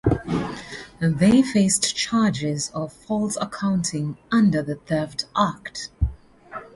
They faced charges of false accounting under the Theft Act.